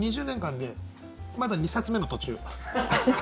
２０年間でまだ２冊目の途中。